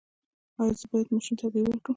ایا زه باید ماشوم ته هګۍ ورکړم؟